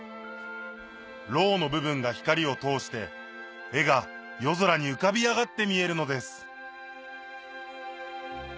蝋の部分が光を通して絵が夜空に浮かび上がって見えるのです